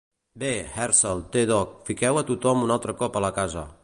Bé, Hershel, T-Dog, fiqueu a tothom un altre cop a la casa.